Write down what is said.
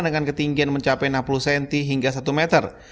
dengan ketinggian mencapai enam puluh cm hingga satu meter